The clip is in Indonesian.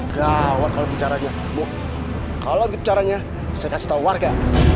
gawat kalau bicaranya bu kalau bicaranya saya kasih tahu warga